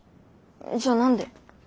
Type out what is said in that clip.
じゃ何で？